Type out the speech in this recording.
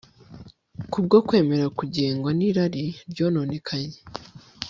kubwo kwemera kugengwa nirari ryononekaye